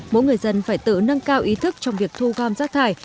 mỗi người dân phải tự nâng cao ý thức trong việc thu gom rác thải